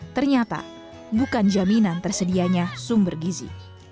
ternyata bukan jaminan tersedianya sumber gizi